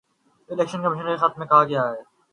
election commission کے خط میں کہا گیا ہے